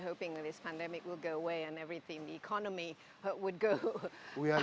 ya kami berharap pandemi ini akan meninggalkan dan ekonomi akan meningkat